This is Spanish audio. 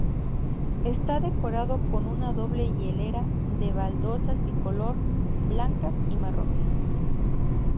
Está decorado con una doble hilera de baldosas bicolor blancas y marrones.